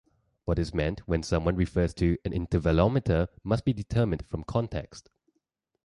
What is meant when someone refers to an "intervalometer" must be determined from context.